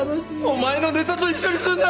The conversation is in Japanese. お前のネタと一緒にすんな！